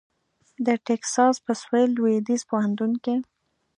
د ټیکساس په سوېل لوېدیځ پوهنتون کې